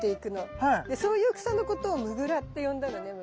でそういう草のことをムグラって呼んだのね昔。